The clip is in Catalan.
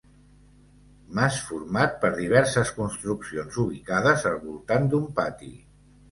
Mas format per diverses construccions ubicades al voltant d'un pati.